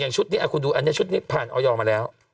อย่างชุดนี้อ่ะคุณดูอันนี้ชุดนี้ผ่านออยอร์มาแล้ว